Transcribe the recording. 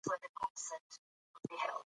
ښتې د افغانانو لپاره په معنوي لحاظ ارزښت لري.